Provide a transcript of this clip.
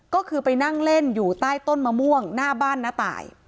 ก็คือไปนั่งเล่นอยู่ใต้ต้นมะม่วงหน้าบ้านน้าตาย